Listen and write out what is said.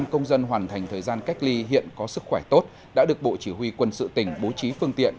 ba mươi năm công dân hoàn thành thời gian cách ly hiện có sức khỏe tốt đã được bộ chỉ huy quân sự tỉnh bố trí phương tiện